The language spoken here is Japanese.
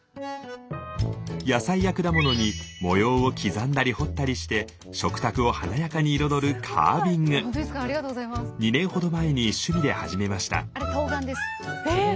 野菜や果物に模様を刻んだり彫ったりして食卓を華やかに彩る２年ほど前に趣味で始めました。